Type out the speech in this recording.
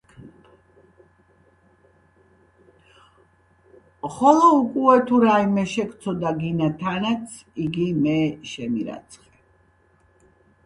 ხოლო უკუეთუ რაიმე შეგცოდა გინა თნა-აც, იგი მე შემირაცხე.